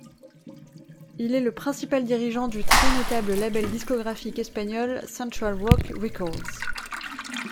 Il est le principal dirigeant du très notable label discographique espagnol Central Rock Records.